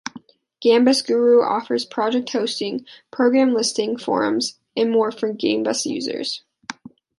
Gambas Guru offers project hosting, program listing, forums and more for Gambas users.